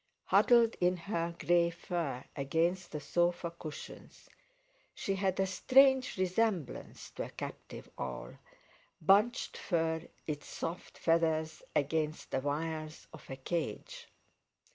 Huddled in her grey fur against the sofa cushions, she had a strange resemblance to a captive owl, bunched in its soft feathers against the wires of a cage.